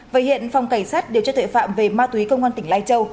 vậy hiện phòng cảnh sát điều tra tội phạm về ma túy công an tỉnh lai châu